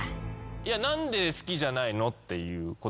いや何で好きじゃないのっていうこと。